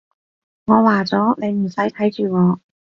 我話咗，你唔使睇住我